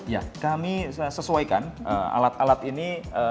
ya kami sesuaikan alat alat ini